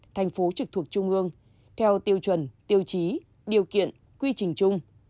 thành phố trực thuộc trung ương theo tiêu chuẩn tiêu chí điều kiện quy trình chung